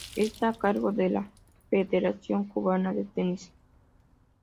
Está a cargo de la Federación Cubana de Tenis.